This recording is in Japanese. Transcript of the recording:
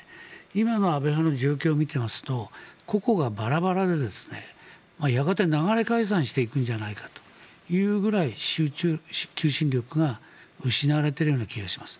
今の安倍派の状況を見てみますと個々がバラバラでやがて流れ解散していくんじゃないかというぐらい求心力が失われているような気がします。